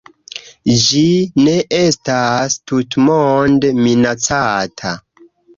Ĝi ne estas tutmonde minacata.